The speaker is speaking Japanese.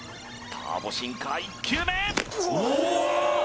ターボシンカー１球目！